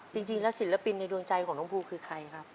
จริงแล้วศิลปินในดวงใจของน้องภูคือใครครับ